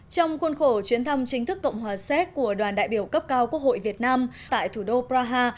trong khuôn khổ chuyến thăm chính thức cộng hòa séc của đoàn đại biểu cấp cao quốc hội việt nam tại thủ đô praha